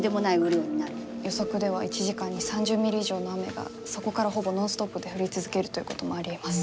予測では１時間に３０ミリ以上の雨がそこからほぼノンストップで降り続けるということもありえます。